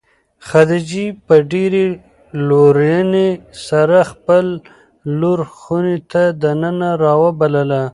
خدیجې په ډېرې لورېنې سره خپله لور خونې ته د ننه راوبلله.